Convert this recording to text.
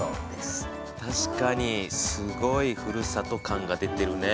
確かにすごいふるさと感が出てるね。